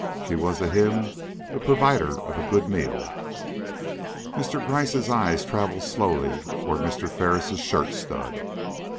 She was to him the provider of a good meal." Mr. Gryce's eye travelled slowly toward Mr. Ferris' shirt stud.